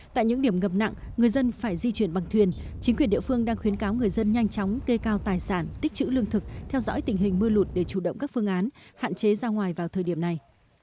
tại những điểm ngập nặng người dân phải di chuyển bằng thuyền chính quyền địa phương đang khuyến cáo người dân nhanh chóng kê cao tài sản tích chữ lương thực theo dõi tình hình mưa lụt để chủ động các phương án hạn chế ra ngoài vào thời điểm này